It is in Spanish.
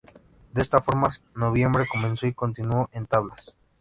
De esta forma noviembre comenzó y continuó en tablas.